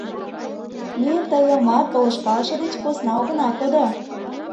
Ме тыйымат полышкалыше деч посна огына кодо.